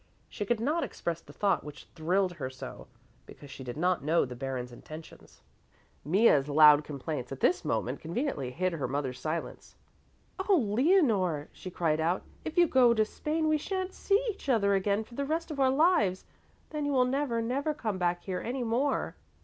She could not express the thought which thrilled her so, because she did not know the Baron's intentions. Mea's loud complaints at this moment conveniently hid her mother's silence. "Oh, Leonore," she cried out, "if you go to Spain, we shan't see each other again for the rest of our lives; then you will never, never come back here any more!"